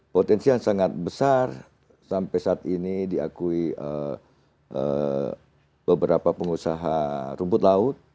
potensi yang sangat besar sampai saat ini diakui beberapa pengusaha rumput laut